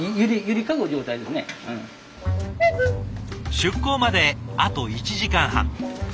出港まであと１時間半。